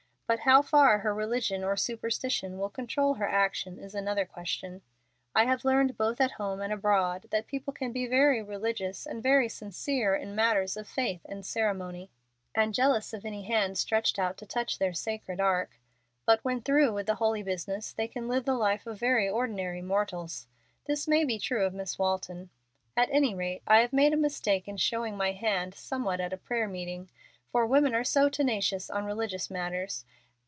But how far her religion or superstition will control her action is another question. I have learned both at home and abroad that people can be very religious and very sincere in matters of faith and ceremony, and jealous of any hand stretched out to touch their sacred ark, but when through with the holy business they can live the life of very ordinary mortals. This may be true of Miss Walton. At any rate I have made a mistake in showing my hand somewhat at a prayer meeting, for women are so tenacious on religious matters.